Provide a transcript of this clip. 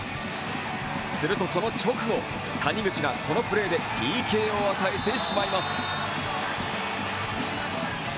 するとその直後、谷口がこのプレーでＰＫを与えてしまいます。